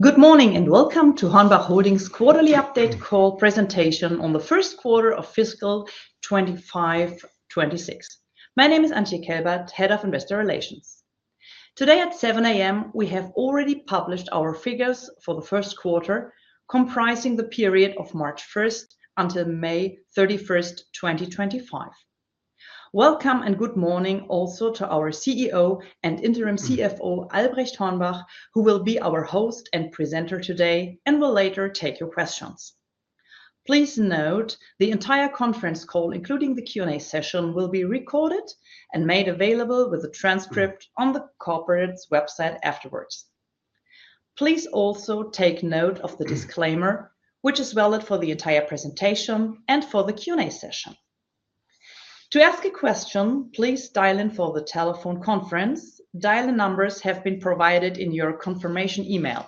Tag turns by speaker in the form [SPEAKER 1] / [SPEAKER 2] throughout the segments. [SPEAKER 1] Good morning and welcome to Hornbach Holding's quarterly update call presentation on the first quarter of fiscal 2025-2026. My name is Antje Kelbert, Head of Investor Relations. Today at 7:00 A.M., we have already published our figures for the first quarter, comprising the period of March 1st until May 31st, 2025. Welcome and good morning also to our CEO and interim CFO, Albrecht Hornbach, who will be our host and presenter today and will later take your questions. Please note the entire conference call, including the Q&A session, will be recorded and made available with a transcript on the corporate website afterwards. Please also take note of the disclaimer, which is valid for the entire presentation and for the Q&A session. To ask a question, please dial in for the telephone conference. Dial-in numbers have been provided in your confirmation email.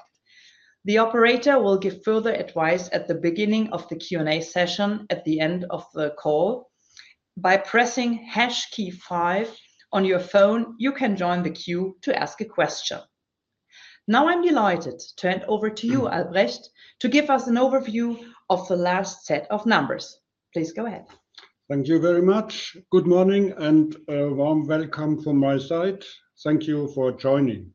[SPEAKER 1] The operator will give further advice at the beginning of the Q&A session at the end of the call. By pressing hash key five on your phone, you can join the queue to ask a question. Now I'm delighted to hand over to you, Albrecht, to give us an overview of the last set of numbers. Please go ahead.
[SPEAKER 2] Thank you very much. Good morning and a warm welcome from my side. Thank you for joining.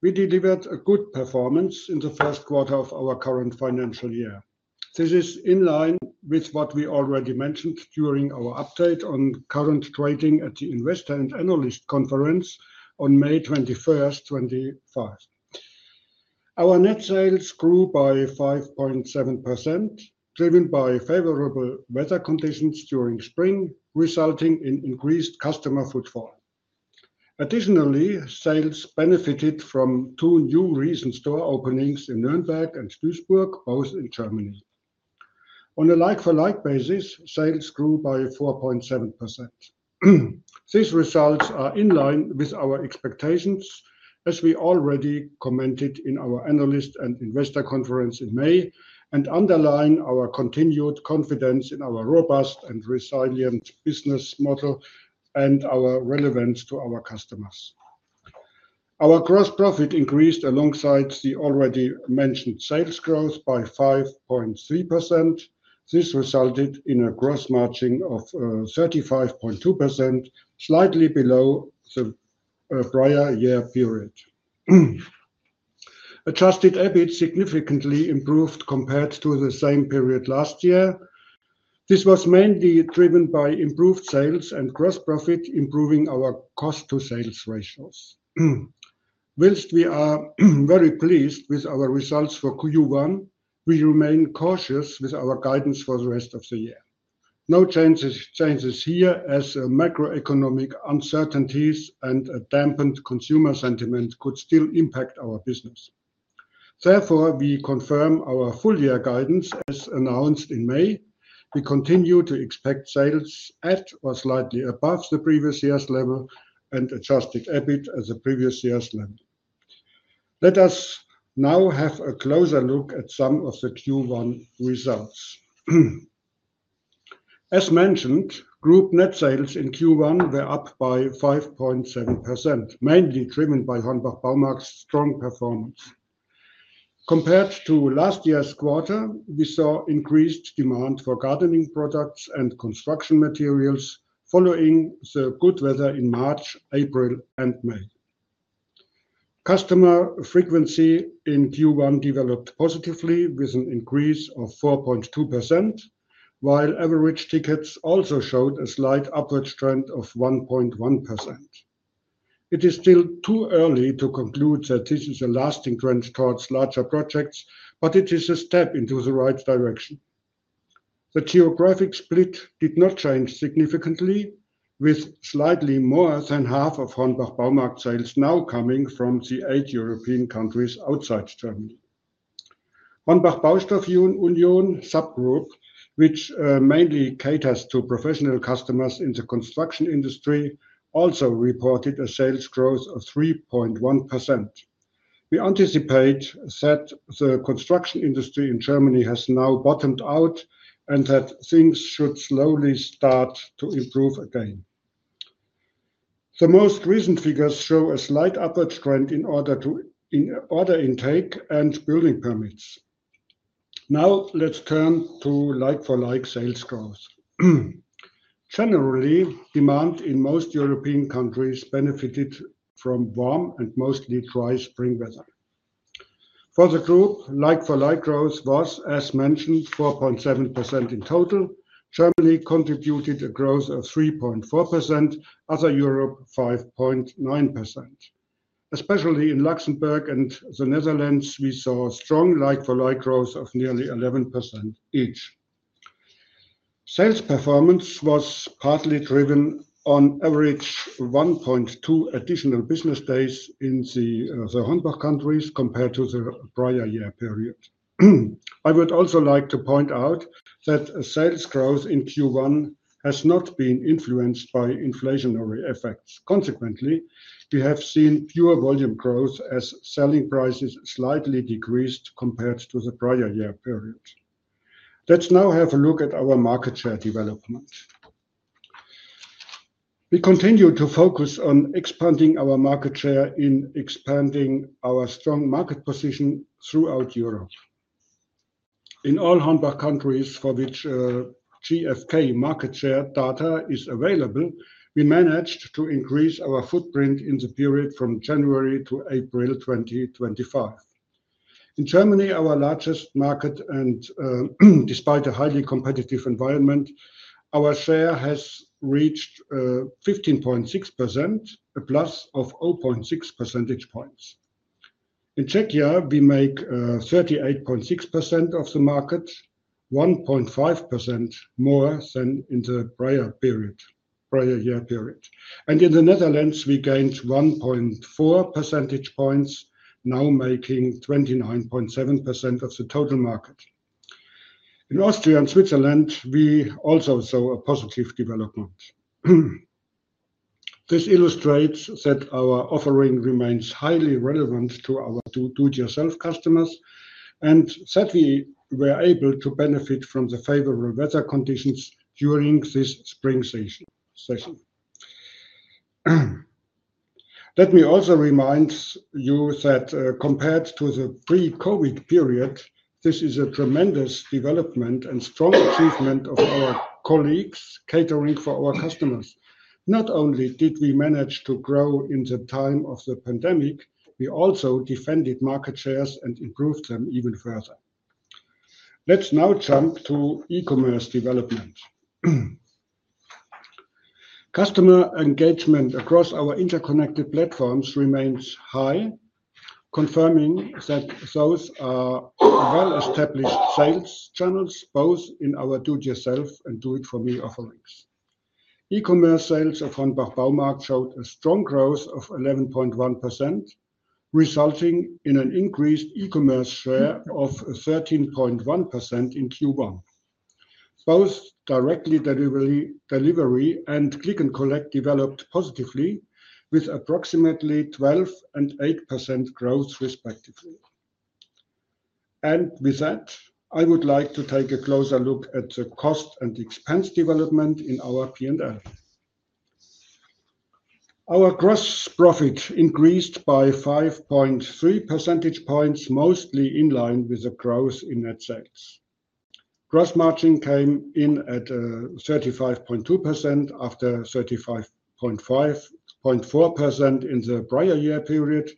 [SPEAKER 2] We delivered a good performance in the first quarter of our current financial year. This is in line with what we already mentioned during our update on current trading at the Investor and Analyst Conference on May 21st, 2025. Our net sales grew by 5.7%, driven by favorable weather conditions during spring, resulting in increased customer footfall. Additionally, sales benefited from two new recent store openings in Nuremberg and Duisburg, both in Germany. On a like-for-like basis, sales grew by 4.7%. These results are in line with our expectations, as we already commented in our Analyst and Investor Conference in May, and underline our continued confidence in our robust and resilient business model and our relevance to our customers. Our gross profit increased alongside the already mentioned sales growth by 5.3%. This resulted in a gross margin of 35.2%, slightly below the prior year period. Adjusted EBIT significantly improved compared to the same period last year. This was mainly driven by improved sales and gross profit, improving our cost-to-sales ratios. Whilst we are very pleased with our results for Q1, we remain cautious with our guidance for the rest of the year. No changes here as macroeconomic uncertainties and a dampened consumer sentiment could still impact our business. Therefore, we confirm our full-year guidance as announced in May. We continue to expect sales at or slightly above the previous year's level and adjusted EBIT at the previous year's level. Let us now have a closer look at some of the Q1 results. As mentioned, group net sales in Q1 were up by 5.7%, mainly driven by HORNBACH Baumarkt AG's strong performance. Compared to last year's quarter, we saw increased demand for gardening products and construction materials following the good weather in March, April, and May. Customer frequency in Q1 developed positively with an increase of 4.2%, while average tickets also showed a slight upward trend of 1.1%. It is still too early to conclude that this is a lasting trend towards larger projects, but it is a step in the right direction. The geographic split did not change significantly, with slightly more than half of HORNBACH sales now coming from the eight European countries outside Germany. HORNBACH Baustoff Union subgroup, which mainly caters to professional customers in the construction industry, also reported a sales growth of 3.1%. We anticipate that the construction industry in Germany has now bottomed out and that things should slowly start to improve again. The most recent figures show a slight upward trend in order intake and building permits. Now let's turn to like-for-like sales growth. Generally, demand in most European countries benefited from warm and mostly dry spring weather. For the group, like-for-like growth was, as mentioned, 4.7% in total. Germany contributed a growth of 3.4%, other Europe 5.9%. Especially in Luxembourg and the Netherlands, we saw strong like-for-like growth of nearly 11% each. Sales performance was partly driven on average 1.2 additional business days in the HORNBACH countries compared to the prior year period. I would also like to point out that sales growth in Q1 has not been influenced by inflationary effects. Consequently, we have seen fewer volume growth as selling prices slightly decreased compared to the prior year period. Let's now have a look at our market share development. We continue to focus on expanding our market share in expanding our strong market position throughout Europe. In all HORNBACH countries for which GfK market share data is available, we managed to increase our footprint in the period from January to April 2025. In Germany, our largest market, and despite a highly competitive environment, our share has reached 15.6%, a plus of 0.6 percentage points. In Czechia, we make 38.6% of the market, 1.5% more than in the prior year period. In the Netherlands, we gained 1.4 percentage points, now making 29.7% of the total market. In Austria and Switzerland, we also saw a positive development. This illustrates that our offering remains highly relevant to our do-it-yourself customers and that we were able to benefit from the favorable weather conditions during this spring session. Let me also remind you that compared to the pre-COVID period, this is a tremendous development and strong achievement of our colleagues catering for our customers. Not only did we manage to grow in the time of the pandemic, we also defended market shares and improved them even further. Let's now jump to e-commerce development. Customer engagement across our interconnected platforms remains high, confirming that those are well-established sales channels both in our do-it-yourself and do-it-for-me offerings. E-commerce sales of HORNBACH Baumarkt showed a strong growth of 11.1%, resulting in an increased e-commerce share of 13.1% in Q1. Both direct delivery and click-and-collect developed positively, with approximately 12% and 8% growth respectively. With that, I would like to take a closer look at the cost and expense development in our P&L. Our gross profit increased by 5.3 percentage points, mostly in line with the growth in net sales. Gross margin came in at 35.2% after 35.4% in the prior year period.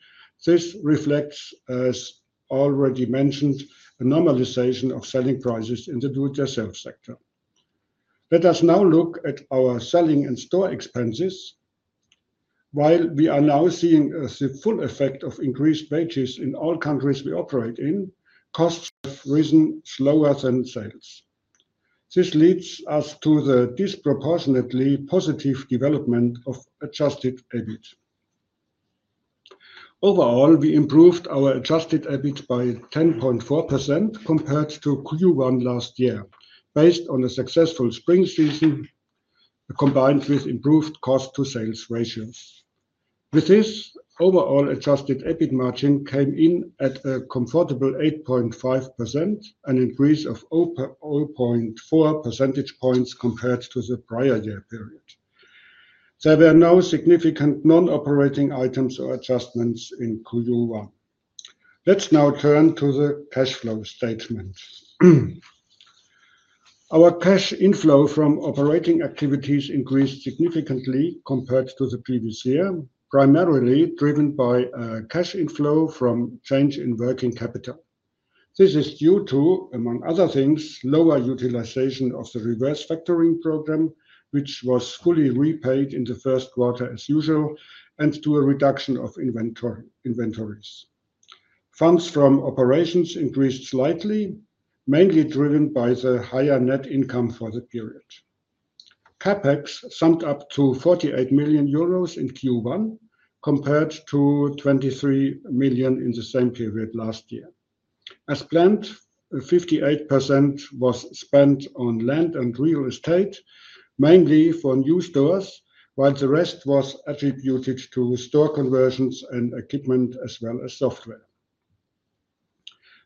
[SPEAKER 2] This reflects, as already mentioned, a normalization of selling prices in the do-it-yourself sector. Let us now look at our selling and store expenses. While we are now seeing the full effect of increased wages in all countries we operate in, costs have risen slower than sales. This leads us to the disproportionately positive development of adjusted EBIT. Overall, we improved our adjusted EBIT by 10.4% compared to Q1 last year, based on a successful spring season combined with improved cost-to-sales ratios. With this, overall adjusted EBIT margin came in at a comfortable 8.5%, an increase of 0.4 percentage points compared to the prior year period. There were no significant non-operating items or adjustments in Q1. Let's now turn to the cash flow statement. Our cash inflow from operating activities increased significantly compared to the previous year, primarily driven by cash inflow from change in working capital. This is due to, among other things, lower utilization of the reverse factoring program, which was fully repaid in the first quarter as usual, and to a reduction of inventories. Funds from operations increased slightly, mainly driven by the higher net income for the period. Capex summed up to 48 million euros in Q1 compared to 23 million in the same period last year. As planned, 58% was spent on land and real estate, mainly for new stores, while the rest was attributed to store conversions and equipment as well as software.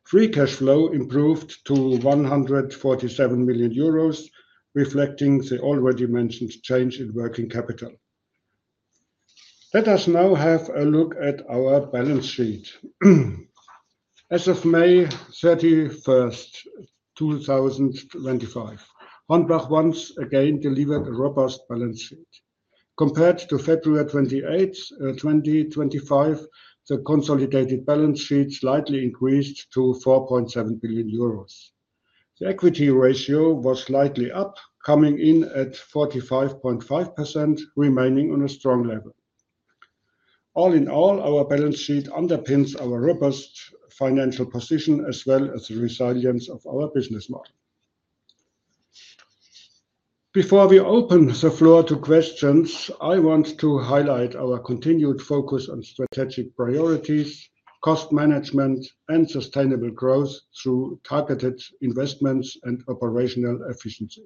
[SPEAKER 2] Free cash flow improved to 147 million euros, reflecting the already mentioned change in working capital. Let us now have a look at our balance sheet. As of May 31st, 2025, Hornbach once again delivered a robust balance sheet. Compared to February 28th, 2025, the consolidated balance sheet slightly increased to 4.7 billion euros. The equity ratio was slightly up, coming in at 45.5%, remaining on a strong level. All in all, our balance sheet underpins our robust financial position as well as the resilience of our business model. Before we open the floor to questions, I want to highlight our continued focus on strategic priorities, cost management, and sustainable growth through targeted investments and operational efficiency.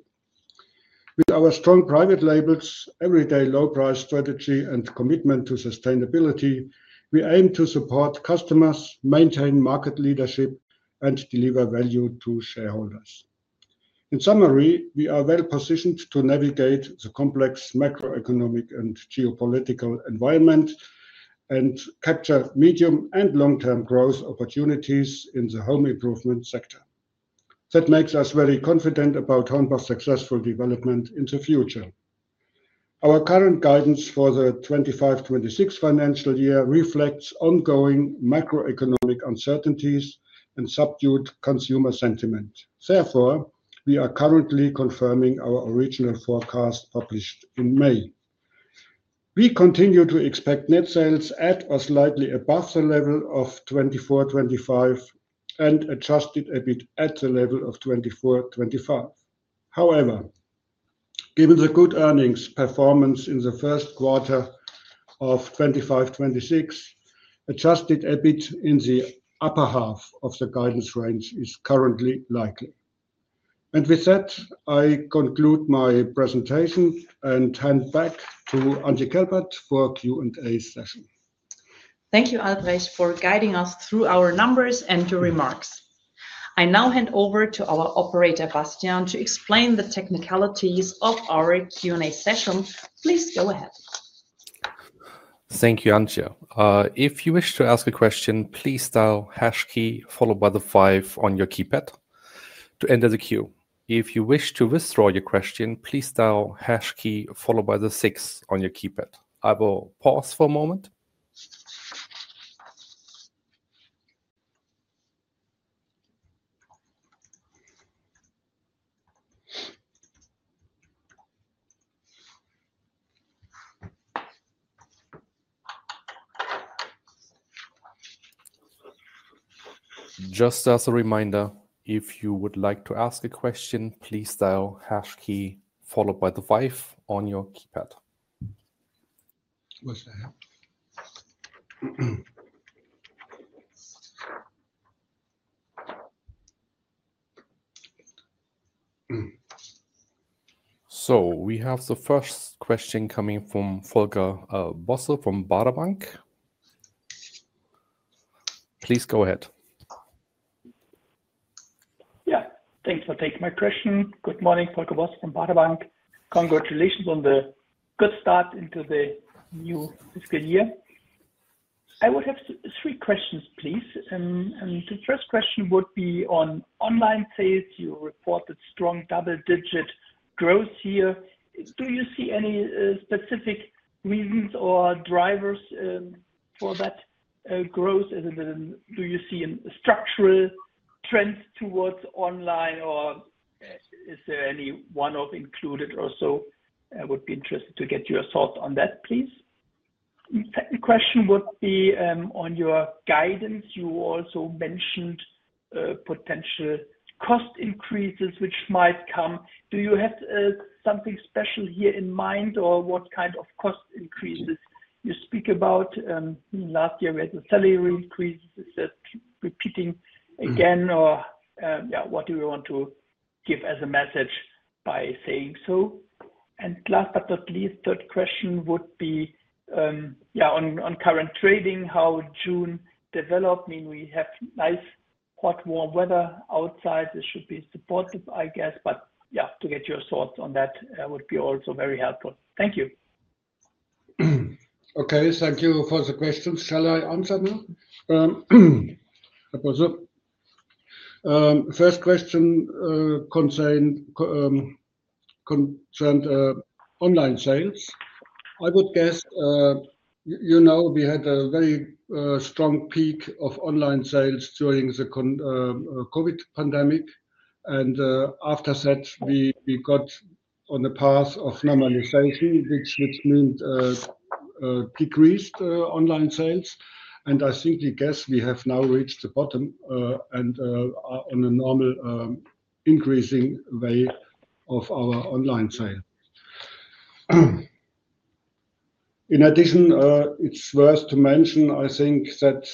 [SPEAKER 2] With our strong private labels, everyday low-price strategy, and commitment to sustainability, we aim to support customers, maintain market leadership, and deliver value to shareholders. In summary, we are well positioned to navigate the complex macroeconomic and geopolitical environment and capture medium and long-term growth opportunities in the home improvement sector. That makes us very confident about Hornbach's successful development in the future. Our current guidance for the 2025-2026 financial year reflects ongoing macroeconomic uncertainties and subdued consumer sentiment. Therefore, we are currently confirming our original forecast published in May. We continue to expect net sales at or slightly above the level of 2024-2025 and adjusted EBIT at the level of 2024-2025. However, given the good earnings performance in the first quarter of 2025-2026, adjusted EBIT in the upper half of the guidance range is currently likely. With that, I conclude my presentation and hand back to Antje Kelbert for the Q&A session.
[SPEAKER 3] Thank you, Albrecht, for guiding us through our numbers and your remarks. I now hand over to our operator, Bastian, to explain the technicalities of our Q&A session. Please go ahead.
[SPEAKER 4] Thank you, Antje. If you wish to ask a question, please dial #key followed by the five on your keypad to enter the queue. If you wish to withdraw your question, please dial #key followed by the six on your keypad. I will pause for a moment. Just as a reminder, if you would like to ask a question, please dial #key followed by the 5 on your keypad. We have the first question coming from Volker Bossel from Baader Bank. Please go ahead.
[SPEAKER 5] Yeah. Thanks for taking my question. Good morning, Volker Bossel from Baader Bank. Congratulations on the good start into the new fiscal year. I would have three questions, please. The first question would be on online sales. You reported strong double-digit growth here. Do you see any specific reasons or drivers for that growth? Do you see a structural trend towards online, or is there any one-off included? Also, I would be interested to get your thoughts on that, please. The second question would be on your guidance. You also mentioned potential cost increases which might come. Do you have something special here in mind, or what kind of cost increases you speak about? Last year, we had the salary increases. Is that repeating again, or what do you want to give as a message by saying so? Last but not least, the third question would be, yeah, on current trading, how June developed. I mean, we have nice hot warm weather outside. This should be supportive, I guess. Yeah, to get your thoughts on that would be also very helpful. Thank you.
[SPEAKER 2] Okay. Thank you for the questions. Shall I answer now? First question concerned online sales. I would guess we had a very strong peak of online sales during the COVID pandemic. After that, we got on the path of normalization, which means decreased online sales. I simply guess we have now reached the bottom and are on a normal increasing way of our online sale. In addition, it is worth to mention, I think, that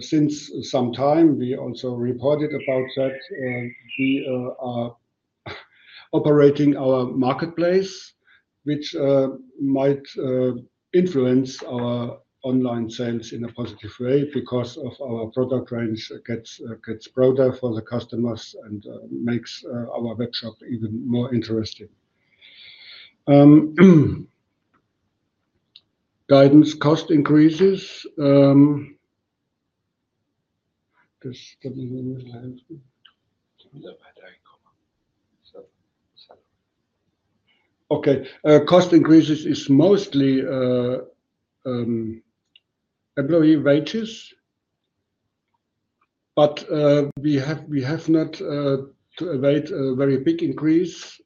[SPEAKER 2] since some time we also reported about that, we are operating our marketplace, which might influence our online sales in a positive way because our product range gets broader for the customers and makes our web shop even more interesting. Guidance cost increases. Cost increases is mostly employee wages, but we have not to await a very big increase.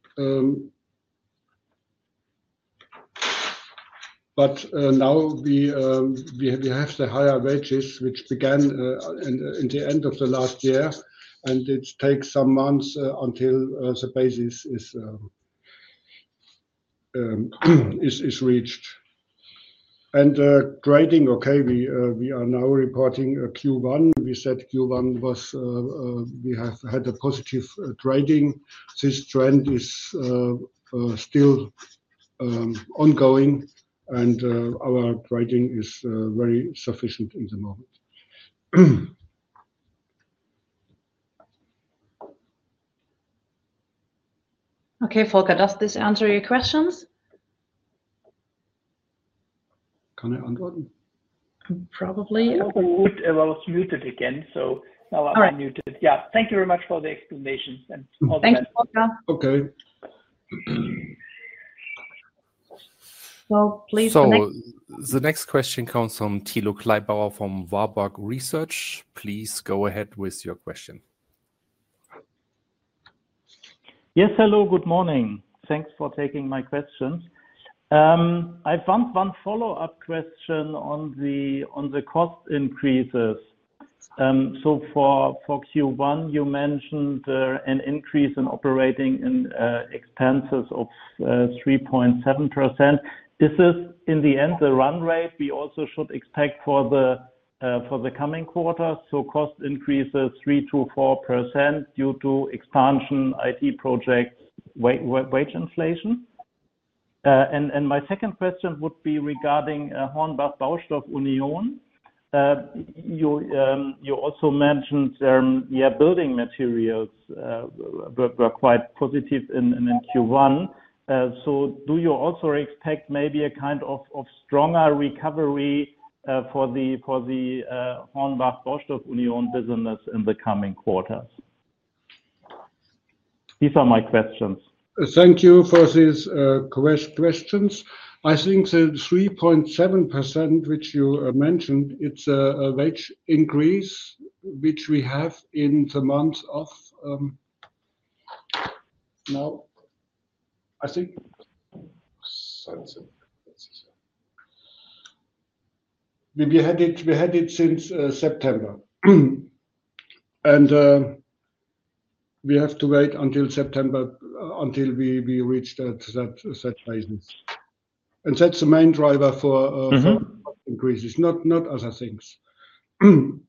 [SPEAKER 2] Now we have the higher wages, which began in the end of the last year, and it takes some months until the basis is reached. Trading, okay, we are now reporting Q1. We said Q1 was we have had a positive trading. This trend is still ongoing, and our trading is very sufficient in the moment.
[SPEAKER 3] Okay, Volker, does this answer your questions?
[SPEAKER 2] Can I answer?
[SPEAKER 3] Probably.
[SPEAKER 5] I was muted again, so now I'm muted. Yeah. Thank you very much for the explanations and all the answers.
[SPEAKER 3] Thank you, Volker.
[SPEAKER 2] Okay.
[SPEAKER 3] Please next.
[SPEAKER 4] The next question comes from Tilo Kleber from Warburg Research. Please go ahead with your question.
[SPEAKER 6] Yes. Hello. Good morning. Thanks for taking my questions. I found one follow-up question on the cost increases. For Q1, you mentioned an increase in operating expenses of 3.7%. Is this in the end the run rate we also should expect for the coming quarter? Cost increases 3%-4% due to expansion, IT projects, wage inflation? My second question would be regarding Hornbach Baustoff Union. You also mentioned building materials were quite positive in Q1. Do you also expect maybe a kind of stronger recovery for the Hornbach Baustoff Union business in the coming quarters? These are my questions.
[SPEAKER 2] Thank you for these questions. I think the 3.7% which you mentioned, it is a wage increase which we have in the month of now, I think. We had it since September. We have to wait until September until we reach that basis. That is the main driver for increases, not other things. Concerning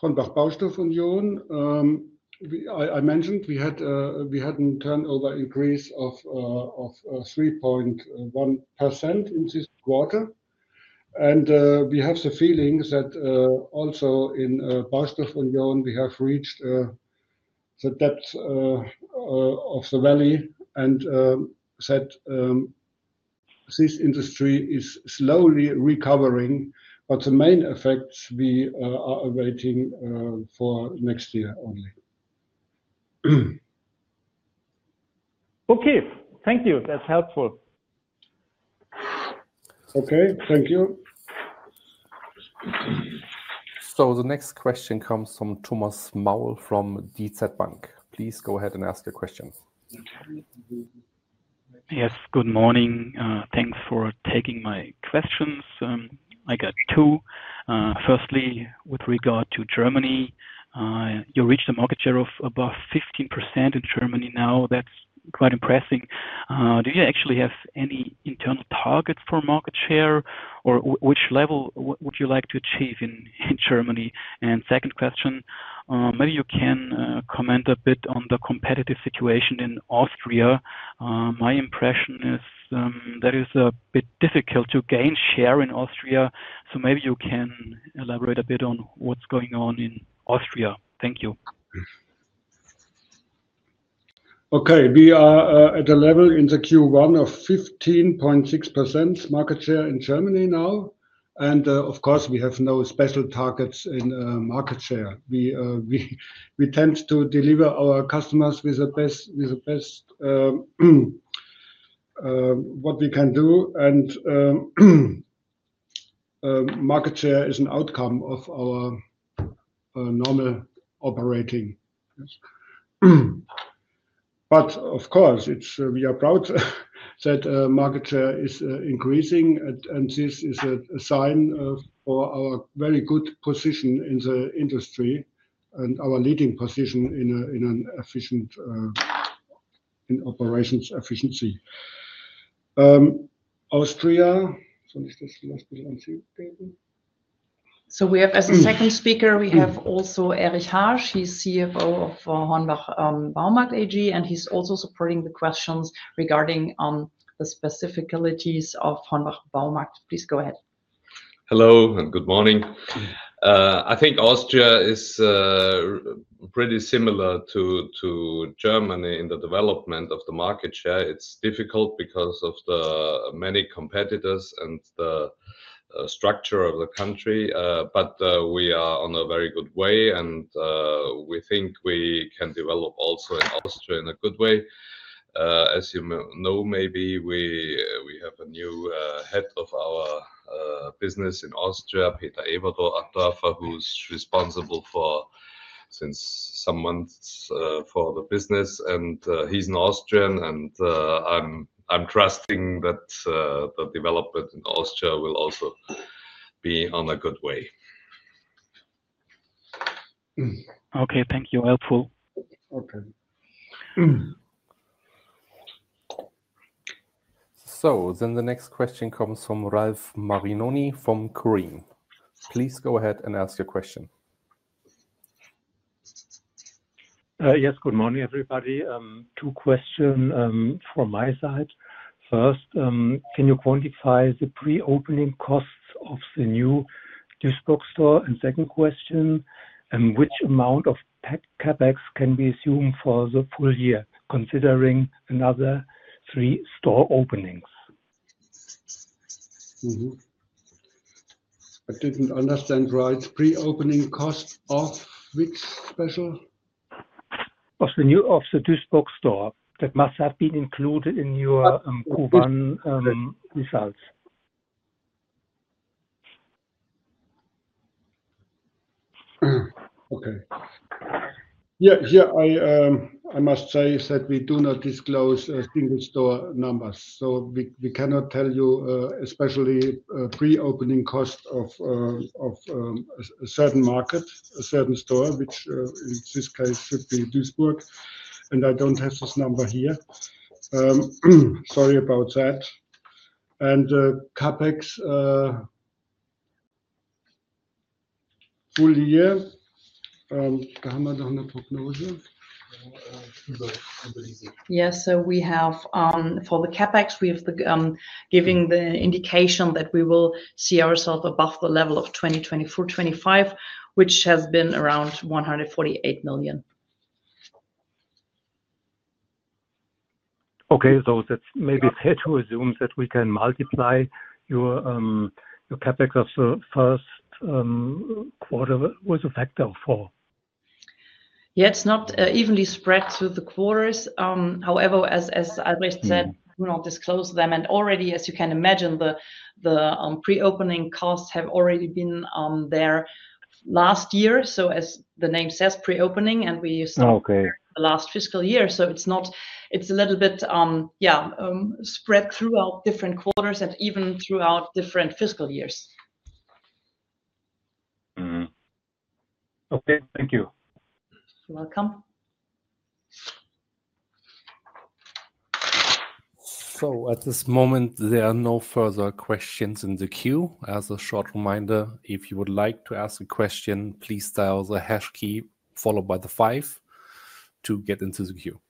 [SPEAKER 2] Hornbach Baustoff Union, I mentioned we had a turnover increase of 3.1% in this quarter. We have the feeling that also in Baustoff Union, we have reached the depth of the valley and said this industry is slowly recovering, but the main effects we are awaiting for next year only.
[SPEAKER 6] Okay. Thank you. That is helpful.
[SPEAKER 2] Okay. Thank you.
[SPEAKER 4] The next question comes from Thomas Maul from DZ Bank. Please go ahead and ask your question.
[SPEAKER 7] Yes. Good morning. Thanks for taking my questions. I got two. Firstly, with regard to Germany, you reached a market share of above 15% in Germany now. That is quite impressive. Do you actually have any internal targets for market share, or which level would you like to achieve in Germany? Second question, maybe you can comment a bit on the competitive situation in Austria. My impression is that it is a bit difficult to gain share in Austria. Maybe you can elaborate a bit on what's going on in Austria. Thank you.
[SPEAKER 2] Okay. We are at a level in the Q1 of 15.6% market share in Germany now. Of course, we have no special targets in market share. We tend to deliver our customers with the best what we can do. Market share is an outcome of our normal operating. Of course, we are proud that market share is increasing, and this is a sign for our very good position in the industry and our leading position in operations efficiency. Austria.
[SPEAKER 3] We have as a second speaker, we have also Erich Harsch. He's CFO of Hornbach Baumarkt AG, and he's also supporting the questions regarding the specificalities of Hornbach Baumarkt. Please go ahead.
[SPEAKER 8] Hello and good morning. I think Austria is pretty similar to Germany in the development of the market share. It's difficult because of the many competitors and the structure of the country. We are on a very good way, and we think we can develop also in Austria in a good way. As you know, maybe we have a new head of our business in Austria, Peter Eberther, who's responsible for since some months for the business. He's an Austrian, and I'm trusting that the development in Austria will also be on a good way.
[SPEAKER 7] Okay. Thank you. Helpful.
[SPEAKER 4] Okay. The next question comes from Ralf Marinoni from Kepler Cheuvreux. Please go ahead and ask your question.
[SPEAKER 1] Yes. Good morning, everybody. Two questions from my side. First, can you quantify the pre-opening costs of the new Duisburg store? Second question, which amount of CapEx can we assume for the full year considering another three store openings? I didn't understand right. Pre-opening cost of which special? Of the Duisburg store, that must have been included in your Q1 results.
[SPEAKER 2] Okay. Yeah. Here, I must say that we do not disclose single store numbers. We cannot tell you especially pre-opening cost of a certain market, a certain store, which in this case should be Duisburg. I do not have this number here. Sorry about that. CapEx full year, yeah.
[SPEAKER 3] We have for the CapEx, we have given the indication that we will see our result above the level of 2024-2025, which has been around 148 million.
[SPEAKER 1] Okay. Maybe it is hard to assume that we can multiply your CapEx of the first quarter with a factor of four.
[SPEAKER 3] It is not evenly spread through the quarters. However, as Albrecht said, we will not disclose them. Already, as you can imagine, the pre-opening costs have already been there last year. As the name says, pre-opening, and we started the last fiscal year. It is a little bit, yeah, spread throughout different quarters and even throughout different fiscal years.
[SPEAKER 1] Okay. Thank you.
[SPEAKER 3] You're welcome.
[SPEAKER 4] At this moment, there are no further questions in the queue. As a short reminder, if you would like to ask a question, please dial the hash key followed by the five to get into the queue.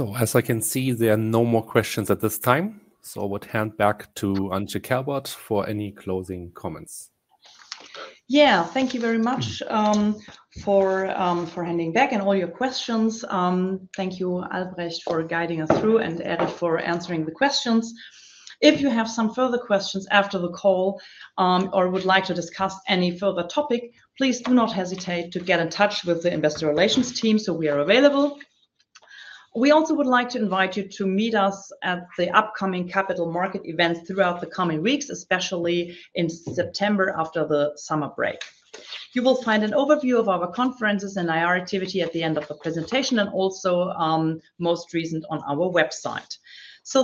[SPEAKER 4] Okay. As I can see, there are no more questions at this time. I would hand back to Antje Kelbert for any closing comments.
[SPEAKER 3] Yeah. Thank you very much for handing back and all your questions. Thank you, Albrecht, for guiding us through and Erich for answering the questions. If you have some further questions after the call or would like to discuss any further topic, please do not hesitate to get in touch with the investor relations team so we are available. We also would like to invite you to meet us at the upcoming capital market events throughout the coming weeks, especially in September after the summer break. You will find an overview of our conferences and IR activity at the end of the presentation and also most recent on our website.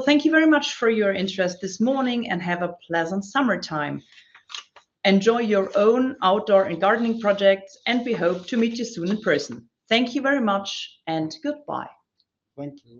[SPEAKER 3] Thank you very much for your interest this morning and have a pleasant summertime. Enjoy your own outdoor and gardening projects, and we hope to meet you soon in person. Thank you very much and goodbye. Thank you.